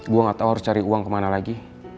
gue gak tau harus cari uang kemana lagi